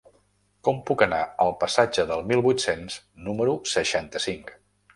Com puc anar al passatge del Mil vuit-cents número seixanta-cinc?